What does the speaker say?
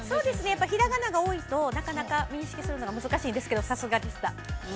やっぱり平仮名が多いとなかなか認識するのが難しいんですけど、さすがでした。